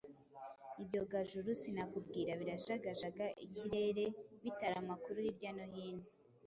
ibyogajuru sinakubwira birajagajaga ikirere bitara amakuru hirya no hino,